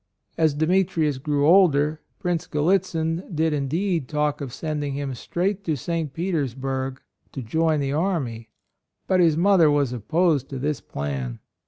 As Demetrius grew older, Prince 44 A ROYAL SON Gallitzin did indeed talk of sending him straight to St. Petersburg to join the army; but his mother was opposed to this plan.